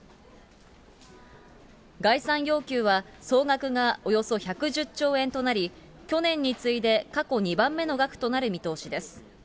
概算要求は、総額がおよそ１１０兆円となり、去年に次いで過去２番目の額となる見通しです。